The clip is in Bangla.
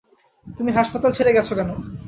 তুমি হাসপাতাল ছেড়ে গেছো কেন?